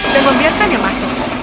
dan membiarkannya masuk